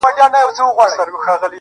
زه مي د ميني په نيت وركړمه زړه.